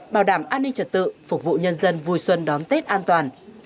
bảo đảm an ninh trật tự phục vụ nhân dân vui xuân đón tết an toàn